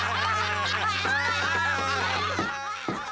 アハハハハ。